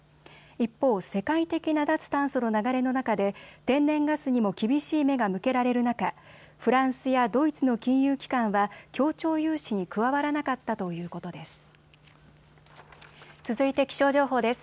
一方、世界的な脱炭素の流れの中で天然ガスにも厳しい目が向けられる中、フランスやドイツの金融機関は協調融資に加わらなかったということです。